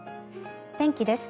天気です。